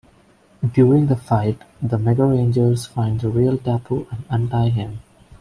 During the fight, the Megarangers find the real Dappu and untie him.